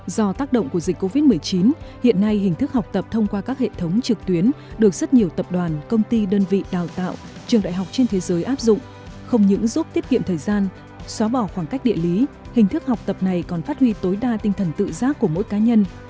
do tác động của dịch covid một mươi chín hiện nay hình thức học tập thông qua các hệ thống trực tuyến được rất nhiều tập đoàn công ty đơn vị đào tạo trường đại học trên thế giới áp dụng không những giúp tiết kiệm thời gian xóa bỏ khoảng cách địa lý hình thức học tập này còn phát huy tối đa tinh thần tự giác của mỗi cá nhân